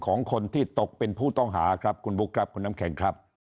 ของคนที่ตกเป็นผู้ต้องหาครับคุณบุ๊คครับคุณน้ำแข็งครับ